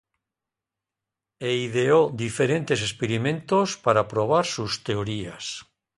E ideó diferentes experimentos para probar sus teorías.